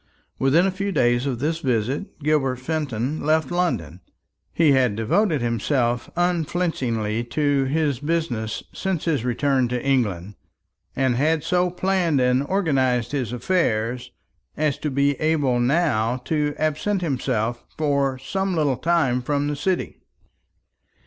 Within a few days of this visit Gilbert Fenton left London. He had devoted himself unflinchingly to his business since his return to England, and had so planned and organized his affairs as to be able now to absent himself for some little time from the City.